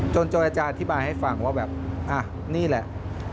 จนโจรยาจารย์อธิบายให้ฟังว่านี่แหละ